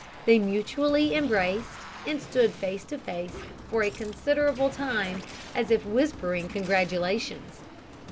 They mutually embraced, and stood face to face for a considerable time, as if whispering congratulations.